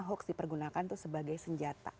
hoax dipergunakan itu sebagai senjata